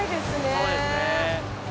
そうですね。